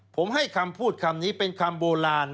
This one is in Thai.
ผมให้คำพูดคำนี้เป็นคำโบราณ